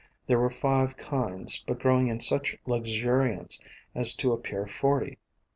There were five kinds, but growing in such luxuriance as to ap pear forty.